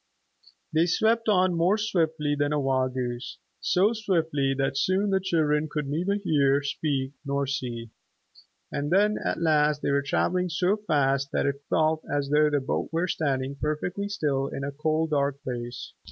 They swept on more swiftly than a wild goose, so swiftly that soon the children could neither hear, speak nor see. And then at last they were traveling so fast that it felt as though the boat were standing perfectly still in a cold dark place.